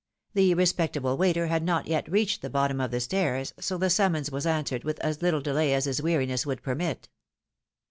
The respectable waiter had not yet reached the bottom of the stairs, so the summons was answered with as Httle delay as his weariness would permit.